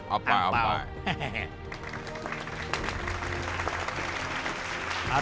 เอาไปเอาไป